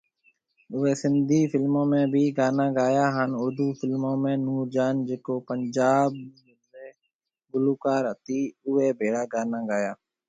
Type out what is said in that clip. اوئي سنڌي فلمون ۾ بِي گانا گايا هان اردو فلمون ۾ نور جهان جڪو پنجاب ري گلوڪار هتي اوئي ڀيڙا گانا گيا